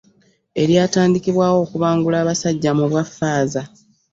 Eryatandikibwawo okubangula abasajja mu bwa Faaza.